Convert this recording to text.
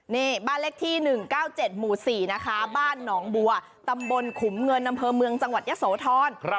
นี่บ้านเลขที่๑๙๗หมู่๔นะคะบ้านหนองบัวตำบลขุมเงินอำเภอเมืองจังหวัดยะโสธร